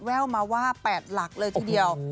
แววมาว่า๘หลักเลยทีเดียว